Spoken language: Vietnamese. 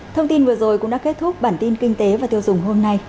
thông tin vừa rồi cũng đã kết thúc bản tin kinh tế và tiêu dùng hôm nay